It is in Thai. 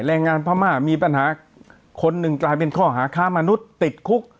แรงงานพม่ามีปัญหาคนหนึ่งกลายเป็นข้อหาค้ามนุษย์ติดคุก